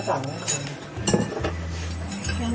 ชาวจำค่ะ